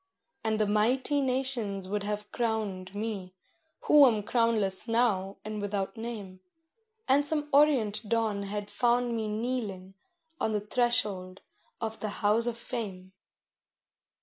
And the mighty nations would have crowned me, who am crownless now and without name, And some orient dawn had found me kneeling on the threshold of the House of Fame.